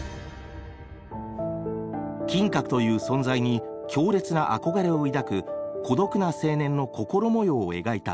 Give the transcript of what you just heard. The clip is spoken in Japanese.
金閣という存在に強烈な憧れを抱く孤独な青年の心模様を描いた名作。